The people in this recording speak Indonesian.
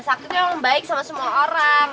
sakti tuh yang baik sama semua orang